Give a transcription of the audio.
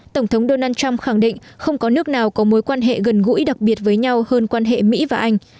tổng thống donald trump khẳng định không có nước nào có mối quan hệ gần gũi đặc biệt với nhau hơn quan hệ mỹ và anh